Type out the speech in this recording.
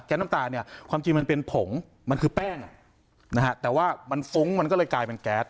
น้ำตาลเนี่ยความจริงมันเป็นผงมันคือแป้งนะฮะแต่ว่ามันฟุ้งมันก็เลยกลายเป็นแก๊ส